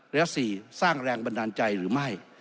และ๔สร้างแรงบันดาลใจหรือไม่